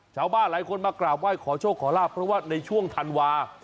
ชาวบ้านหลายคนมากราบไหว้ขอโชคขอลาบเพราะว่าในช่วงธันวา